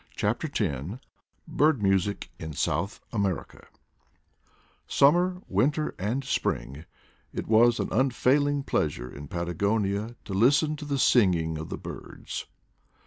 CHAPTER X BIRD MUSIC IN SOUTH AMERICA SUMMER, winter and spring, it was an unfail ing pleasure in Patagonia to listen to the singing of the birds.